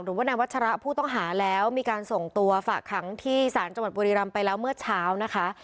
หรือว่านายวัชระผู้ต้องหาแล้วมีการส่งตัวฝากขังที่ศาลจังหวัดบุรีรำไปแล้วเมื่อเช้านะคะ